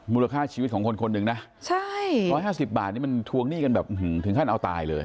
มูลค่าชีวิตของคนคนหนึ่งนะ๑๕๐บาทนี่มันทวงหนี้กันแบบถึงขั้นเอาตายเลย